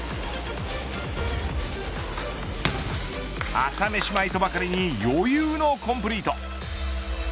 朝飯前とばかりに余裕のコンプリート。